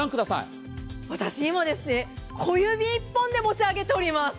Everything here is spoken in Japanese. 私、今、小指１本で持ち上げております。